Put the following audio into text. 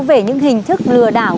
với những hình thức lừa đảo